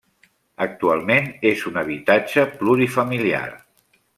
Actualment és un habitatge plurifamiliar.